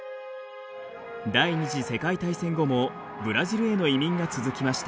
第二次世界大戦後もブラジルへの移民が続きました。